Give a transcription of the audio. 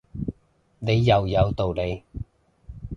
你又有道理